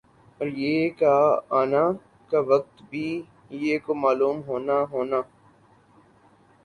اور یِہ کا آنا کا وقت بھی یِہ کو معلوم ہونا ہونا